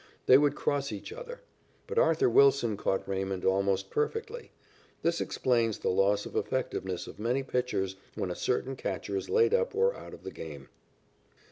They would cross each other. But Arthur Wilson caught Raymond almost perfectly. This explains the loss of effectiveness of many pitchers when a certain catcher is laid up or out of the game.